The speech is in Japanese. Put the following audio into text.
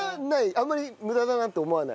あんまり無駄だなって思わない？